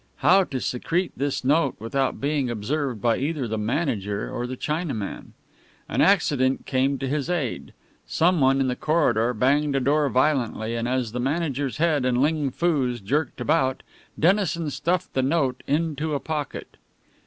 How to secrete this note without being observed by either the manager or the Chinaman? An accident came to his aid. Someone in the corridor banged a door violently, and as the manager's head and Ling Foo's jerked about, Dennison stuffed the note into a pocket.